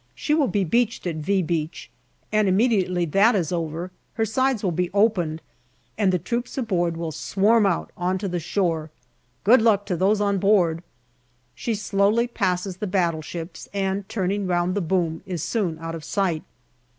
She will be beached at " V " Beach, and immediately that is over, her sides will be opened and the troops aboard will swarm out on to the shore. Good luck to those on board ! She slowly passes the battleships, and turning round the boom, is soon out of sight.